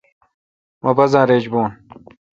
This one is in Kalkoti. مہ بازار ایج بون